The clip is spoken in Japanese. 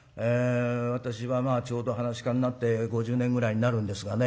私はまあちょうど噺家になって５０年ぐらいになるんですがね